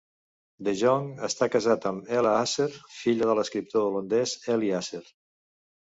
De Jonge està casat amb Hella Asser, filla de l'escriptor holandès Eli Asser.